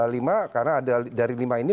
lima karena ada dari lima ini